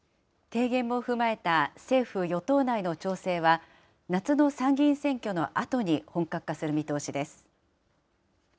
提言も踏まえた政府・与党内の調整は夏の参議院選挙のあとに本格化する見通しです。